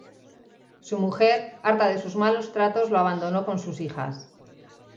Su mujer, harta de sus malos tratos lo abandonó con sus hijas.